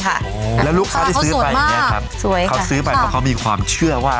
กราศแล้วเขาสูญมากแล้วลูกค้าที่ซื้อเป็นอย่างเนี่ยนะคะเขาซื้อไปเกราะเขามีความเชื่อว่า